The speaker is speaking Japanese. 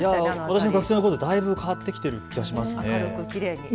私が学生のころとだいぶ変わってきてる気がしますね。